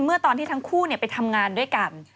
เมื่อตอนที่ทั้งคู่ไปทำงานด้วยกัน